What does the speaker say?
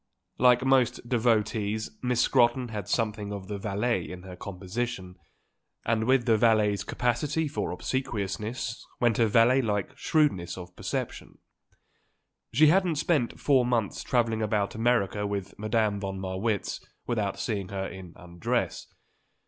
Like most devotees Miss Scrotton had something of the valet in her composition, and with the valet's capacity for obsequiousness went a valet like shrewdness of perception. She hadn't spent four months travelling about America with Madame von Marwitz without seeing her in undress.